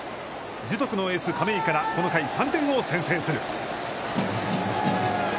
樹徳のエース亀井からこの回、３点を先制する。